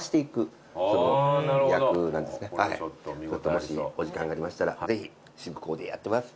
もしお時間がありましたらぜひ渋公でやってます。